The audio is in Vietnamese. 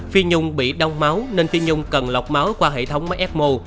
phi nhung bị đau máu nên phi nhung cần lọc máu qua hệ thống máy fmo